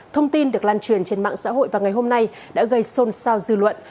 thông tin được lan truyền trên mạng xã hội vào ngày hôm nay đã gây xôn xao dư luận